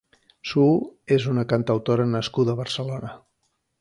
Suu és una cantautora nascuda a Barcelona.